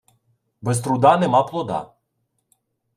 Без труда нема плода.